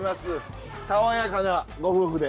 爽やかなご夫婦で。